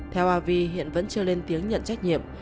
theo avi hiện vẫn chưa lên tiếng nhận trách nhiệm